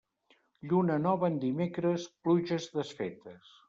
Lluna nova en dimecres, pluges desfetes.